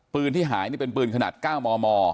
ปืนที่หายเป็นปืนขนาด๙มม